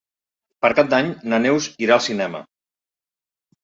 Per Cap d'Any na Neus irà al cinema.